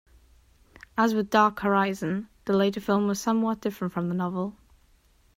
As with "Dark Horizon", the later film was somewhat different from the novel.